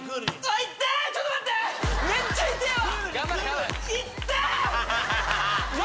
めっちゃ痛ぇわ！